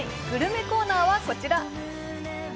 グルメコーナーはこちら。